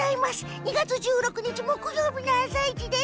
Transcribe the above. ２月１６日木曜日の「あさイチ」です。